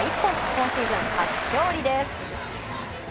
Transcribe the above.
今シーズン初勝利です。